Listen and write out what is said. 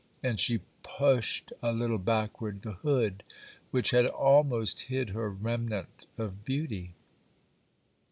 And she pushed a little backward the hood which had almost hid her remnant of beauty.